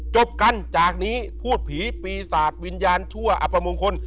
จบกันจากนี้พูดผีปีศาจวิญญาณชั่วอประมงคล